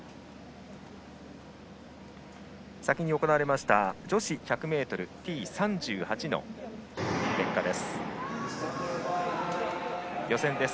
先に行われました女子１００ｍＴ３８の結果です。